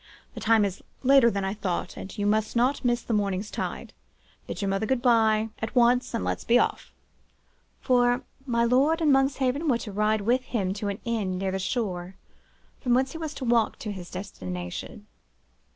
'The time is later than I thought, and you must not miss the morning's tide. Bid your mother good bye at once, and let us be off.' For my lord and Monkshaven were to ride with him to an inn near the shore, from whence he was to walk to his destination.